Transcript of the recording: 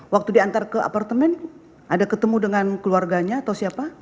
waktu diantar ke apartemen ada ketemu dengan keluarganya atau siapa